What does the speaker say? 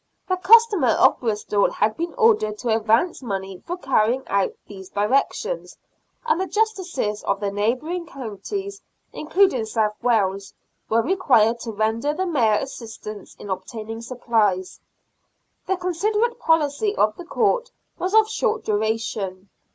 The customer of iie MEAT MARKET ESTABLISHED. 117 Bristol had been ordered to advance money for carrying out these directions, and the justices of the neighbouring counties, including South Wales, were required to render the Mayor assistance in obtaining supplies. The con siderate policy of the Court was of short duration.